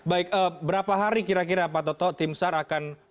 baik berapa hari kira kira pak toto tim sar akan